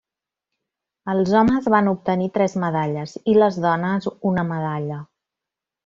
Els homes van obtenir tres medalles i les dones una medalla.